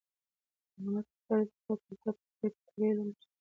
محمد هوتک د خلاصة الطب په کتاب کې طبي علوم په پښتو ژبه راوستلي.